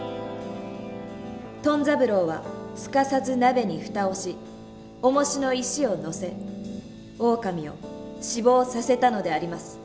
トン三郎はすかさず鍋に蓋をしおもしの石を載せオオカミを死亡させたのであります。